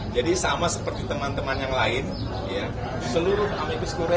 jadi sama seperti teman teman yang lain seluruh amigus kurei dari komunitas masyarakat tetap di dunia